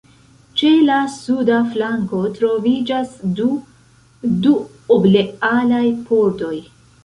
Ĉe la suda flanko troviĝas du duoblealaj pordoj.